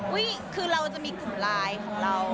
อุ๊ยคือเราจะมีกลุ่มลายของเรา